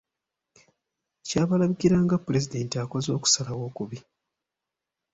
Kyabalabikira nga Pulezidenti akoze okusalawo okubi.